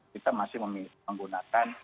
kita masih menggunakan